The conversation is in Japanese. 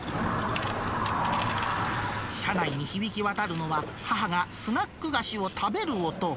車内に響き渡るのは、母がスナック菓子を食べる音。